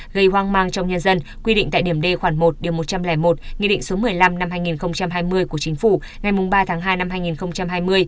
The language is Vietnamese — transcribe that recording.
gây hoang mang trong nhân dân quy định tại điểm d khoản một điều một trăm linh một nghị định số một mươi năm năm hai nghìn hai mươi của chính phủ ngày ba tháng hai năm hai nghìn hai mươi